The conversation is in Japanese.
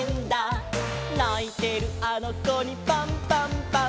「ないてるあのこにパンパンパン！！」